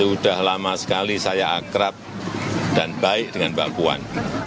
sudah lama sekali saya akrab dan baik dengan mbak puan